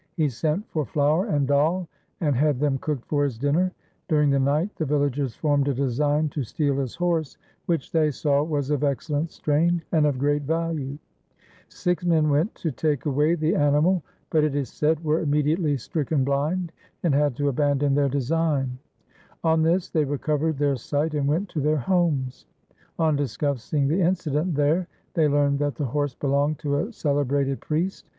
He sent for flour and dal, and had them cooked for his dinner. During the night the villagers formed a design to steal his horse, which 1 Suraj Parkash, Ras XII, Chap. 34. The Guru's prophecy has been amply fulfilled. 376 THE SIKH RELIGION they saw was of excellent strain and of great value. Six men went to take away the animal, but, it is said, were immediately stricken blind and had to abandon their design. On this they recovered their sight and went to their homes. On discussing the incident there, they learned that the horse belonged to a cele brated priest.